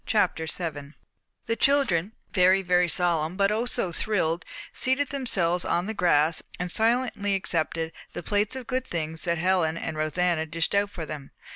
CHAPTER VII The children, very, very solemn but oh so thrilled, seated themselves on the grass and silently accepted the plates of good things that Helen and Rosanna dished out for them.